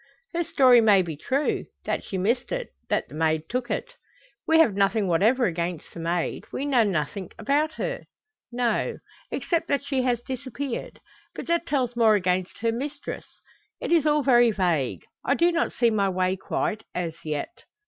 "Her story may be true that she missed it, that the maid took it." "We have nothing whatever against the maid. We know nothing about her." "No. Except that she has disappeared. But that tells more against her mistress. It is all very vague. I do not see my way quite, as yet."